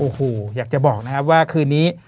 โอ้โหอยากจะบอกนะครับว่าคืนนี้